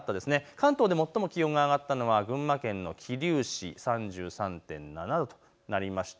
関東で最も気温が上がったのは群馬県桐生市３３．７度となりました。